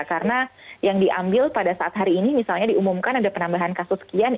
karena yang diambil pada saat hari ini misalnya diumumkan ada penambahan kasus kian